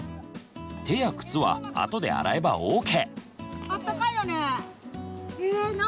手や靴は後で洗えばＯＫ！